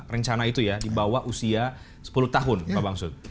rencana itu ya dibawa usia sepuluh tahun pak bang sud